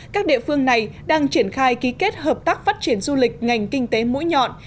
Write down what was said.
các địa phương này đang triển khai ký kết hợp tác phát triển du lịch ngành kinh tế mũi nhọn